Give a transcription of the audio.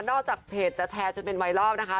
นอกจากเพจจะแทรกจนเป็นวัยรอบนะคะ